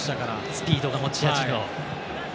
スピードが持ち味の。